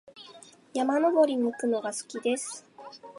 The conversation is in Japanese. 山登りに行くのが好きです。